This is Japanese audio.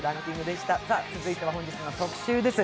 続いては本日の特集です。